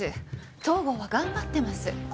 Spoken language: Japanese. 東郷は頑張ってます